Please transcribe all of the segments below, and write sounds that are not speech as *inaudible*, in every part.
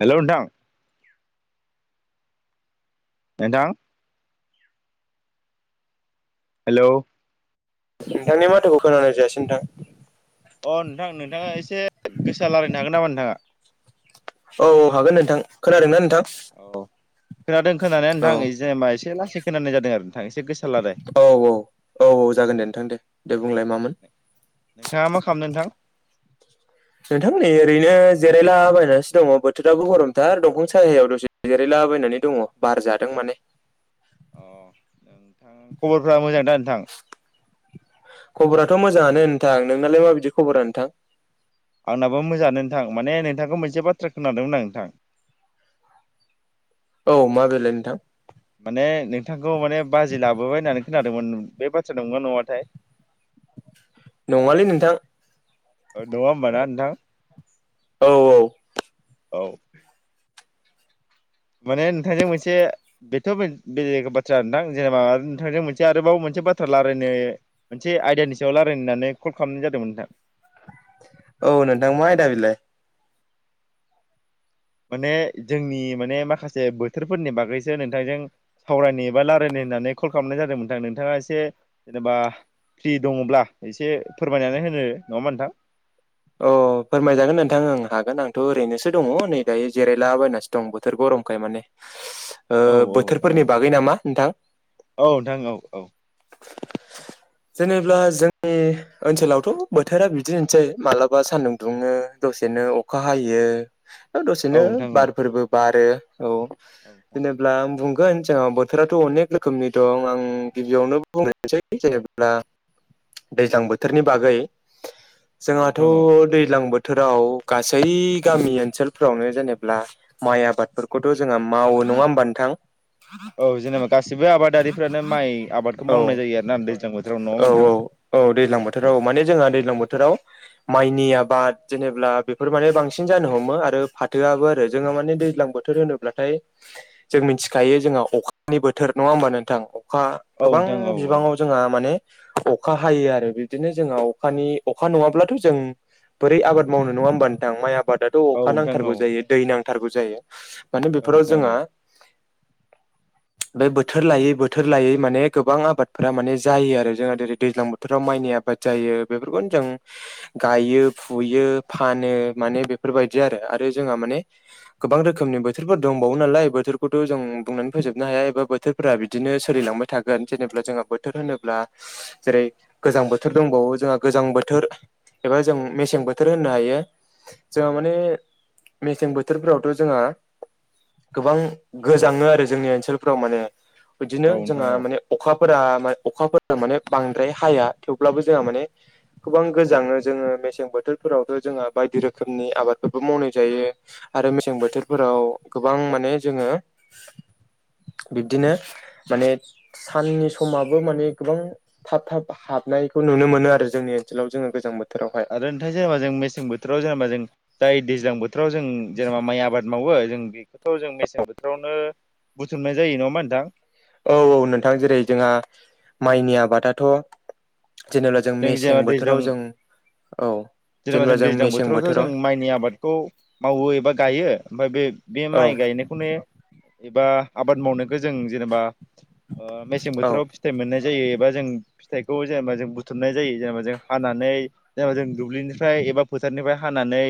Hello नोंथां नोंथां hello नोंथांनि माथोखौ खोनानाय जायासै नोंथां अ नोंथां नोंथाङा एसे गोसा लारायनो हागोन नामा नोंथाङा औ औ हागोन नोंथां खोनादों ना नोंथां औ खोनादों खोनानाया औ नोंथां जेनबा एसे लासै खोनानाय जादों आरो नोंथां एसे गोसा लाराय औ औ औ जागोन दे नोंथां दे दे बुंलाय मामोन नोंथाङा मा खालामदों नोंथां नोंथांमोननि ओरैनो जिरायलाबायनानैसो दङ बोथोराबो गरमथार दंफां साहायाव दसे जेरायला लाबायनानै दङ बार जादों माने अ नोंथां खबरफ्रा मोजां दा नोंथां खबराथ मोजाङानो नोंथां नोंनालाय माबायदि खबरा नोंथां आंनाबो मोजाङानो नोंथां माने नोंथांखौ मोनसे बाथ्रा खोनादोंमोन आं नोंथां *inaudible* औ मा बेलाय नोंथां माने नोंथांखौ माने बाजै लाबोबाय होननानै खोनादोंमोन बे बाथ्राया नंगौना नङाथाय *inaudible* नङालै नोंथां *unintelligible* होमबा ना नोंथां औ औ औ माने नोंथांजों मोनसे बेथ' बे बे बाथ्रा नोंथां जेनेबा नोंथांजों मोनसे आरोबाव मोन मोनसे बाथ्रा लारायनो मोनसे आयदानि सायाव लारायनो होननानै कल खालामनाय जादोंमोन नोंथां औ नोंथां मा आयदा बिलाय माने जोंनि माने माखासे बोथोरफोरनि बागैसो नोंथांजों सावरायनि बा लारायनो होननानै कल खालामनाय जादों नोंथां नोंथाङा एसे जेनेबा फ्रि दङब्ला एसे फोरमायनानै होनो नङा होमबा नोंथां औ फोरमायजागोन नोंथां ओं हागोन आंथ' ओरैनोसो दङ नै दायो जेरायलाबायनासो दं बोथोर गरमखाय माने *inaudible* ओ होमबा नोंथां बोथोरफोरनि औ बागै नामा नोंथां औ नोंथां औ औ जेनेबा जोंनि ओनसोलावथ' बोथोरा बिदिनोसै माला बा सान्दुं दुुंङो दसेनो अखा हायो औ दसेनो नोंथां औ बारफोरबो बा दरो औ जेनेब्ला आं बुं गोन जोंहा बोथोराथ अनेक रोखोमनि दं आं गिबियावनो बुंग्रानसै जेनेब्ला दैज्लां बोथोरनि बागै औ जोंहाथ' नोंथां औ दैज्लां बोथ थोराव गासै गामि ओनसोलफ्रावनो जेनेब्ला माइ आबादफोरखौथ' जोंहा मावो नङा होमबा नोंथां औ जेनेबा गासिबो आबादारिफ्रानो माइ आबादखौ औ मावनाय जायो आरोना दैज्लां बोथोराव नङा औ होमबा नोंथां औ दैज्लां औ बोथोराव माने जोंहा दैज्लां बोथोराव माइनि आबाद जेनेब्ला बेफोर माने बांसिन जानो हमो आरो फाथोआबो आरो जोंहा माने दैज्लां बोथ थोर होनोब्लाथाय जों मिथिखायो जोंहा अखानि बोथोर नङा होमबा नोंथां खा औ गोबां नोंथां औ बिबाङाव जोंहा माने अखा हायो आरो बिब्दिनो जोंहा अखानि अखा नङाब्लाथ जों बोरै आबाद मावनो नङा होमबा नोंथां माइ आबादाथ' औ अखा नोंथां औ नांथारगौ जायो, दै नां थारगौ जायो। माने औ बेफोराव नोंथां औ जोंहा *inaudible* बे बोथोर लायै बोथोर लायै माने गोबां आबादफोरा माने जायो आरो जोंहा। जेरै दैज्लां बोथोराव माइ नि आबाद जायो बेफोरखौनो जों गायो फुयो फानो माने बेफोरबायदि आरो आरो जोंहा माने गोबां रोखोमनि बोथोरफोर दंबावो नालाय बोथोरखौथ' जों बुंनानै फोजोब हाया एबा बोथोरफोरा बिदिनो सोलिलांबाय थागोन। जेनेब्ला जोंहा बोथोर होनोब्ला जेरै गोजां बोथोर दंबावो जोंहा गोजां बोथोर एबा जों मेसें बोथोर होननो हायो जोंहा औ माने मेसें बोथोर बोथोरफ्रावथ' जोंहा गोबां गोजाङो आरो जोंनि ओनसोलफोराव माने। बिदिनो औ नोंथां जोंहा औ माने अखाफोरा अखाफोर माने बांद्राय हाया। थेवब्लाबो जोंहा औ माने गोबां गोजांङो जोङो मेसें बोथोरफोरावथ' जोंहा बायदि रोखोमनि आबादफोरबो मावनाय जायो आरो मे बोथोरफोराव गोबां माने जोङो बिब्दिनो माने साननि समाबो माने गोबां थाब थाब हाब हनायखौ नुनो मोनो आरो जोंनि ओनसोलाव। जोङो गोजां बोथोरावहाय आरोन्थाय जायाबा जों मेसें बोथोराव जायाबा जों जाय दैज्लां बोथोराव जों जेनेबा माइ आबाद मावो जों बेखौथ' जों मेसें बोथोरावनो बुथुमनाय जायो। नङा होमबा नोंथां? औ औ नोंथां जेरै जोंहा माइनि आबादाथ' जेनेबा जों जेनेबा मेसें दैज्लां बोथोराव जों औ जेनेबा जों दैज्लां बोथोरावथ' जों माइनि आबादखौ मावो एबा गायो। ओमफ्राय बे बे औ माइ गायनायखौनो एबा आबाद मावनाय खौ जों जेनेबा ओ मेसें औ बोथोराव फिथाइ मोननाय जायो एबा जों फिथाइखौ जेनेबा जों बुथुमनाय जायो जेनेबा जों हानानै जेनेबा जों दुब्लि निफ्राय एबा फोथारनिफ्राय हानानै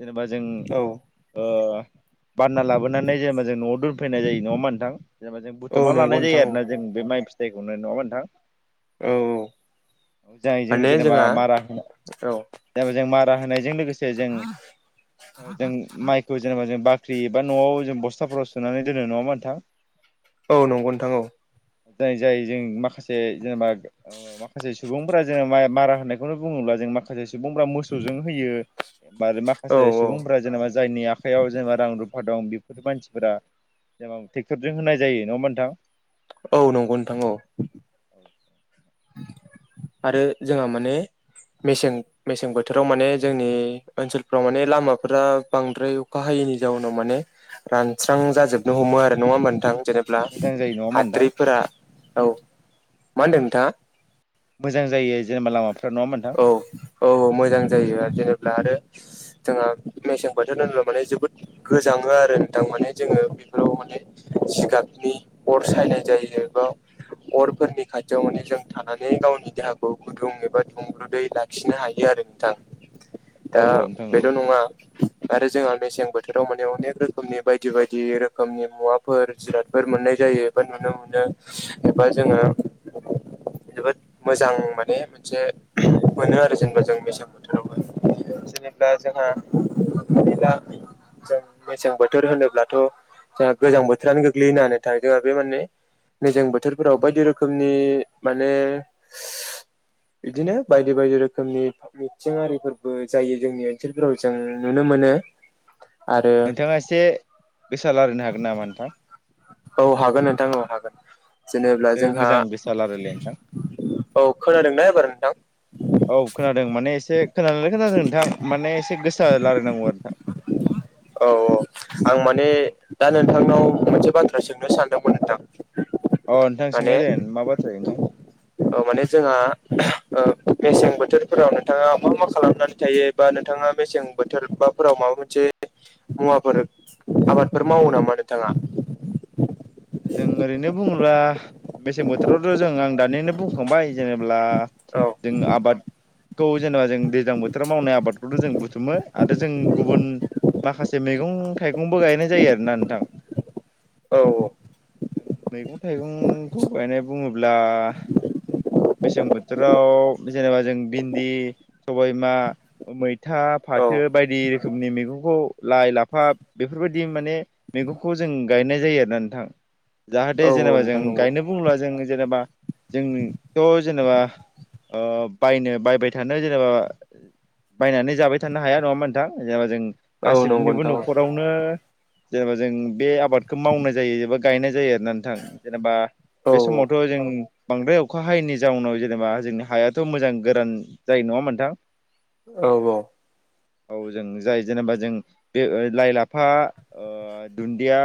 जेनेबा जों औ ओ बानना लाबोनानै जेनेबा जों न'आव दोनफैनाय जायो नङा होमबा नोंथां? जेनेबा जों औ बुथुमना नंगौ लानाय जायो नोंथां औ आरोना जों बे माइ फिथाइखौनो। नङा होमबा नोंथां? औ औ *inaudible* जाहैजों माने जेनेबा जोंहा माराखौ औ जों मारा होनायजों लोगोसे जों जों माइखौ जेनेबा जों बाख बाख्रि एबा न'आव जों बस्थाफोराव सोनानै दोनो नङा होमबा नोंथां? औ नंगौ नोंथां औ। जाय जाय जों माखासे जेनेबा ओ माखासे सुबुंफोरा जोंना मारा होननायखौनो बुङोब्ला जों माखासे सु सुबुंफ्रा मोसौजों होयो औ माखासे औ सुबुंफोरा जेनेबा जायनि आखाइयाव जेनेबा रां रुफ फा दं बेफोर मानसिफोरा जेनबा ट्रेक्टरजों होनाय जायो नङा होमबा नोंथां? औ नंगौ नोंथां औ। *inaudible* आरो जोंहा माने मेसें मेसें बोथोराव माने जोंनि ओनसोलफ्राव माने लामाफोरा बांद्राय अखा हायो। जेनि जाउनाव माने रानस्रां जाजोबनो हमो आरो। नङा होमबा नोंथां? जेनेब्ला मोजां जायो नङा होमबा नोंथां हाद्रिफोरा औ मा होनदों नोंथाङा? मोजां जायो जेनेबा लामाफोर औ औ औ मोजां जायो आरो जेनेब्ला आरो *inaudible* जोंहा मेसें बोथोर होनोब्ला माने जोबोद गोजाङो आरो नोंथां माने जोङो बेफोराव माने जिगाबनि अर सायनाय जायो बा अरफोरनि खाथियाव माने जों थानानै गावनि देहाखौ गुदुं एबा दुंब्रुदै लाखिनो हायो आरो नोंथां औ दा नोंथां औ बेल' नङा आरो जोंहा मेसें बोथोराव माने अनेक रोखोमनि बायदि बायदि रोखोमनि मुवाफोर जिरादफोर मोननाय जायोबा नुनो मोनो एबा जोंओ जोबोद मोजां माने मोनसे मोनो आरो जेनेबा जों मेसें बोथोरावबो जेनेबा जोंहा जों मेसें बोथोर होनोब्लाथ' जोंहा गोजां बोथोरानो गोग्लैनानै थ जोंहा बे माने मेसें बोथोरफोराव बायदि रोखोमनि माने बिदिनो बायदि बायदि रोखोमनि मिथिं आरारिफोरबो जायो जोंनि ओनसोलफोराव जों नुनो मोनो आरो नोंथाङा एसे गोसा रलायनो हागोन नामा नोंथां औ हागोन नोंथां हागोन। जेनेब्ला एसे जोंहा मोजां गोसा रायलायलाय‌ नोंथां औ खोनादोंना एबार नोंथां औ खोनादों माने एसे खोनालाय खोनादों नोंथां माने एसे गोस औ औ आं माने दा नोंथां उनाव मोनसे बाथ्रा सोंनो सानदोंमोन नोंथां अ नोंथां माने सोंनाय जागोन मा बाथ्राय नोंथां औ माने जोंहा मेसें बोथोरफोराव नोंथाङा मा मा खालामनानै थायो बा नोंथाङा मेसें बोथोर बाफोराव माबा मोनसे मुवाफोर आबादफोर मावो नामा नोंथाङा *inaudible* जों ओरैनो बुङोब्ला मेसें बोथोरावथ' जों आं दानिनो बुंखांबाय जेनेब्ला औ जों आबादखौ जेनेबा जों दैज्लां बोथोराव मावनाय आबादखौथ' जों बुथुमो आरो जों गुबुन माखासे मैगं थाइगंबो गायनाय जायो आरोना नोंथां औ औ जों मैगं थाइगंखौ गायनाय बुङोब्ला मेसें बोथोराव जेनेबा जों भिन्दि सबाय बिमा फिथा औ फाथो बायदि रोखोम रोखोमनि मैगंखौ लाइ लाफा बेफोरबायदि माने मैगंखौ जों गायनाय जायो आरो जाहाथे औ जेनेबा जों नोंथां नंगौ गायनो बुङोब्ला जों जेनेबा जोंथ' जेनेबा बायनो बायबाय थानो जेनेबा बायनानै जाबाय थानो हाया नङामोन नोंथां जेनेबा जों औ नंगौ गासिबनिबो नोंथां औ न'खरावनो जेनेबा जों बे आबादखौ मावनाय जायो एबा गायनाय जायो आर नोंथां जेनेबा बे समावथ' जों बांद्राय अखा हायैनि जाउनाव जेनेबा जोंनि हायाथ' मोजां गोरान जायो नङा नोंथां औ औ जों जाय जेनेबा जों बे लाइ लाफा दुन्दिया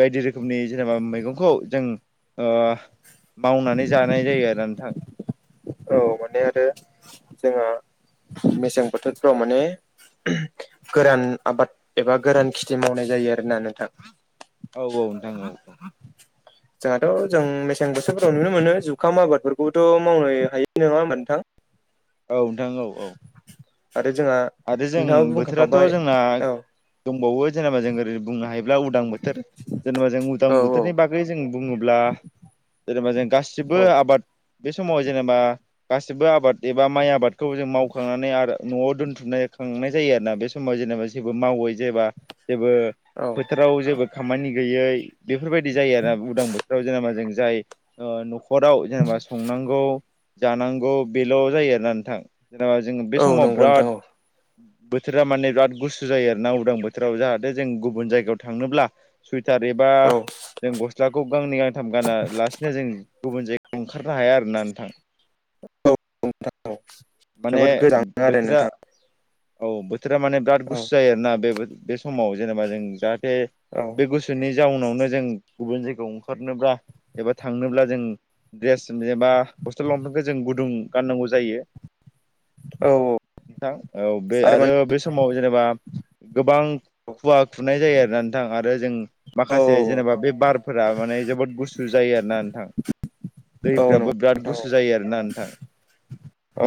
बायदि रोखोमनि जेनेबा मैगंखौ जों मावनानै जानाय जायो आरो नोंथां औ माने आरो जोंहा मेसें बोथोरफ्राव माने गोरान आबाद एबा गोरान खेथि मावनाय जायो आरोना नोंथां औ औ नोंथां औ औ जोंहाथ' जों मेसें बोथोरफ्राव नुनो मोनो जुखाम आबादफोरखौबोथ' मावनो हायो नङा होमबा नोंथां औ नोंथां औ औ आरो जोंहा आरो जों नोंथाङाबो बोथोराथ' बुंखांखाबाय जोंना औ दंबावो जेनेबा जों ओरै बुंनो हायोब्ला उदां बोथोर जेनेबा जों उदां औ बोथोरनि बागै जों बुङोब्ला ब्ला जेनेबा जों गासिबो औ आबाद बे समाव जेनेबा गासिबो आबाद एबा माइ आबादखौ जों मावखांनानै आरो न'आव दोनथुम खांनाय खांनाय जायो आरो ना बे समाव जेनेबा जेबो मावै जेनेबा जेबो औ फोथाराव जेबो खामानि गैयै बेफोरबायदि जायो आरो उदां बोथोराव जेनेबा जों जाय न'खराव जेनेबा संनांगौ जानांगौ बेल' जायो आरोना नोंथां जेनेबा जों बे औ समाव नंगौ नोंथां बिराद औ बोथोरा माने बिराद गुस्थु जायो आरो ना उदां बोथोराव जाहाथे जों गुबुन जायगायाव थांनोब्ला। सुइटार एबा औ जों गस्लाखौ गांनै गांथाम गाना लासिनो जों। गुबुन जाय गाव ओंखारनो हाया आरोना नोंथां। औ औ माने जोबोद गोजाङो आरो बोथोरा नोंथां औ बोथोरा माने बिराद औ गुसु जायो आरोना बे समाव जेनेबा जों जा। बे औ बे गुसुनि जाउनावनो जों। गुबुन जायगायाव ओंखारनोब्ला एबा थांनोब्ला जों द्रेस जेनबा खस्थ' लंपेन्टखौ जों गु गुदुं गाननांगौ जायो। औ औ। थां औ बे आरो बे समाव जेनेबा गोबां खुवा खुनाय जायो। रानथां आरो जों। औ माखासे जेनेबा बे बारफोरा माने जोबोद गुसु जायो आरो ना नोंथां। औ नंगौ दैफ्राबो बिराद नोंथां औ गुसु जायो आरोना नोंथां। औ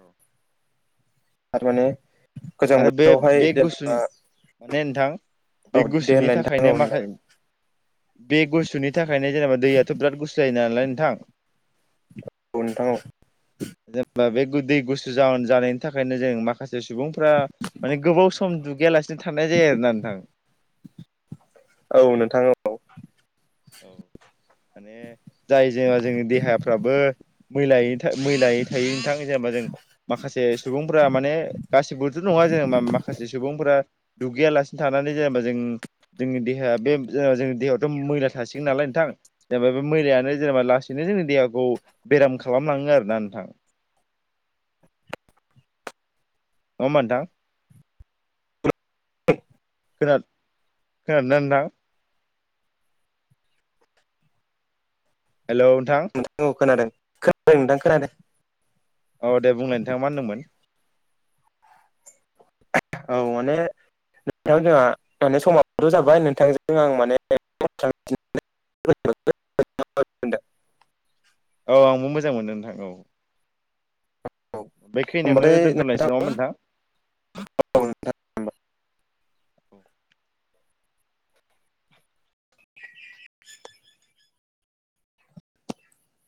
औ। थारमाने। आरो बे बे गुसुनि माने नोंथां। औ बे दे गुसुनि होनलाय थाखायनो माखाय बे गुसुनि थाखायनो जेनेबा दैयाथ' बिराद गुसु जायो नालाय नोंथां। औ नोंथां औ। जेनेबा बे दै गुसु जाहन जानायनि थाखायनो जों माखासे सुबुंफ्रा माने गोबाव सम। सम दुगैयालासिनो थानाय जायो आरोना नोंथां। औ नोंथां औ। औ माने जाय जोंङा जोंनि देहाफ्राबो। मैलायै था-मैलायै थायो नोंथां जेनेबा जों। माखासे सुबुंफ्रा माने गासिबोथ' नङा जेनेवबा माखासे सुबुंफोरा। दुगैयालासिनो थानानै जेनेबा जों जोंनि देहाया बे ओ-जोंनि देहायावथ' मैला थासिगोन नालाय नोंथां जेनेबा बे मैलायानो जेनेबा लासैनो जोंनि देहाखौ बेराम खालामलाङो आरो ना नोंथां। *unintelligible* अ मोनथां। *unintelligible* खोनाद-खोनादों ना नोंथां? हेल' नोंथां। औ खोनादों नोंदाथां खोनादों। अ दे बुंलाय नोंथां मा होनदोंमोन? औ माने। नोंथां जोंहा माने समावथ' जाबाय नोंथांजों आं माने गोबां बाथ्रा मिथिनानै। *unintelligible* औ आंबो मोजां मोनदों नोंथां औ। बे खिनियावनो दोन्थ'लायसै नोंथां औ नङाहोनबा नोंथा? नोंथां औ। *unintelligible*